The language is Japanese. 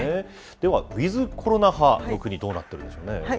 では、ウィズコロナ派の国はどうなっているんでしょうかね。